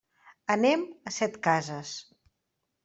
Anem a Setcases.